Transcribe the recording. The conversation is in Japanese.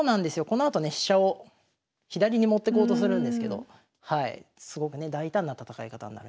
このあとね飛車を左に持ってこうとするんですけどすごくね大胆な戦い方になるんで。